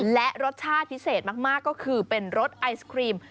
และรสชาติพิเศษมากก็คือเป็นรสไอศครีม